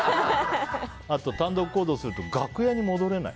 単独行動すると楽屋に戻れない？